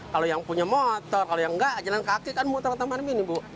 kalau yang punya motor kalau yang enggak jalan kaki kan motor taman mini bu